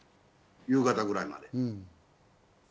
夕方ぐらいまで。